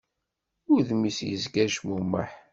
Udem-is yezga yecmumeḥ.